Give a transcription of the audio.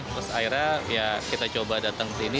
terus akhirnya ya kita coba datang ke sini